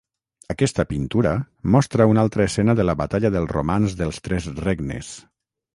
Aquesta pintura mostra una altra escena de la batalla del Romanç dels Tres Regnes.